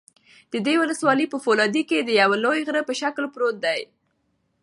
د دې ولسوالۍ په فولادي کې د یوه لوی غره په شکل پروت دى